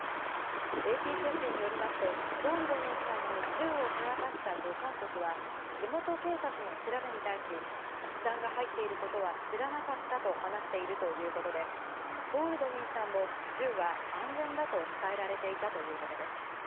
ＡＰ通信によりますと、ボールドウィンさんに銃を手渡した助監督は、地元警察の調べに対し、実弾が入っていることは知らなかったと話しているということで、ボールドウィンさんも、銃は安全だと伝えられていたということです。